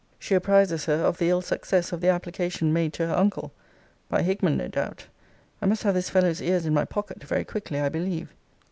She apprizes her, of the 'ill success of the application made to her uncle.' By Hickman no doubt! I must have this fellow's ears in my pocket, very quickly I believe.